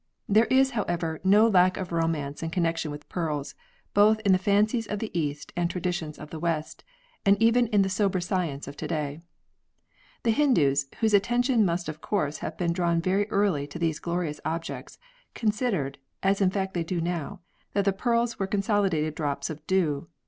There is, however, no lack of romance in connection with pearls, both in the fancies of the East and traditions of the West, and even in the sober science of to day. The Hindoos, whose attention must of course have been drawn very early to these glorious objects, con sidered (as in fact they do now) that the pearls were consolidated drops of dew.